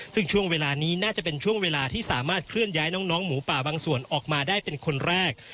ซึ่งช่วงเวลานี้น่าจะเป็นช่วงเวลาที่สามารถเคลื่อนย้ายน้องหมูป่าบางส่วนออกมาได้เป็นคนแรก